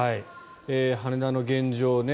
羽田の現状